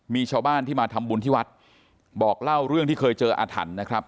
มีชาวบ้านที่มาทำบุญที่วัดบอกเล่าเรื่องที่เคยเจออาถรรพ์นะครับ